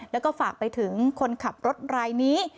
แล้วก็ฝากไปถึงคนขับรถรายนี้